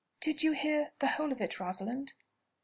Did you hear the whole of it, Rosalind?"